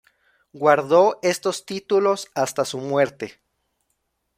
Guardó estos títulos hasta su muerte.